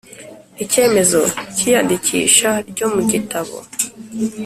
Icyemezo cy iyandikisha ryo mu gitabo